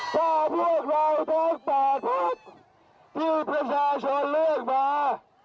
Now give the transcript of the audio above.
ถ้าพวกเราทั้ง๘พักที่ประชาชนเลือกมา